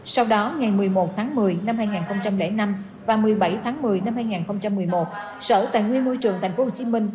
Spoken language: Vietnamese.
sau đó ngày một mươi một tháng một mươi năm hai nghìn năm và một mươi bảy tháng một mươi năm hai nghìn một mươi một sở tài nguyên môi trường tp hcm